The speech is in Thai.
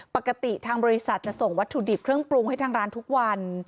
ปกติทางบริษัทจะส่งวัตถุดิบเครื่องปรุงให้ทางร้านทุกวัน